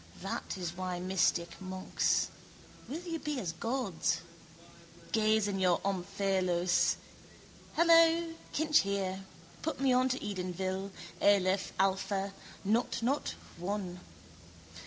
That is why mystic monks. Will you be as gods? Gaze in your omphalos. Hello. Kinch here. Put me on to Edenville. Aleph, alpha: nought, nought, one.